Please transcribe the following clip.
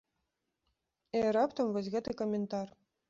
І раптам вось гэты каментар.